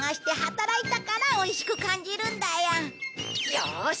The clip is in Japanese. よし！